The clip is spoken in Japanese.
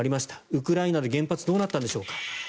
ウクライナで原発どうなったんでしょうか。